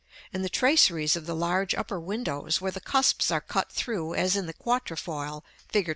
In the traceries of the large upper windows, where the cusps are cut through as in the quatrefoil Fig.